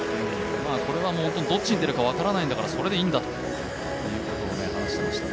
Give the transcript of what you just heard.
これはどっちに出るかわからないんだからそれでいいんだと。